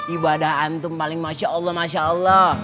ibadah antum paling masya allah masya allah